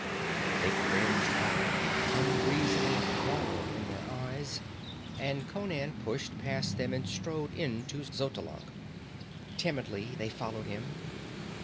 They cringed back, unreasoning horror in their eyes, and Conan pushed past them and strode into Xotalanc. Timidly they followed him.